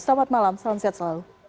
selamat malam salam sehat selalu